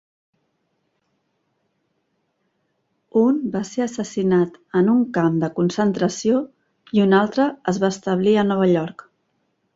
Un va ser assassinat en un camp de concentració i un altre es va establir a Nova York.